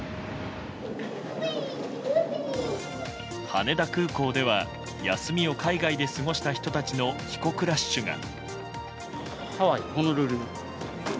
羽田空港では休みを海外で過ごした人の帰国ラッシュが。